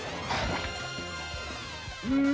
うん！